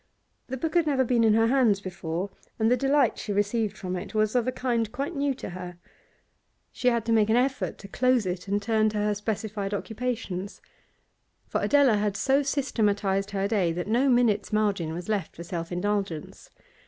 The book had never been in her hands before, and the delight she received from it was of a kind quite new to her. She had to make an effort to close it and turn to her specified occupations. For Adela had so systematised her day that no minute's margin was left for self indulgence.